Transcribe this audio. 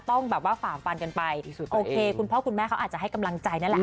ต้องแบบว่าฝ่าฟันกันไปโอเคคุณพ่อคุณแม่เขาอาจจะให้กำลังใจนั่นแหละ